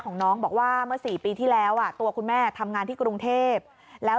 ของน้องบอกว่าเมื่อ๔ปีที่แล้วอ่ะตัวคุณแม่ทำงานที่กรุงเทพแล้ว